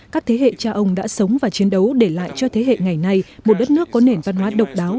các thế hệ cha ông đã sống và chiến đấu để lại cho thế hệ ngày nay một đất nước có nền văn hóa độc đáo